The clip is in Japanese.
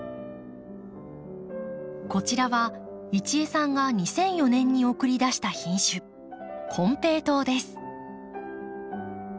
こちらは一江さんが２００４年に送り出した品種「コンペイトウ」です。